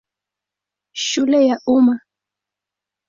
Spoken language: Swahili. Shule ya Umma.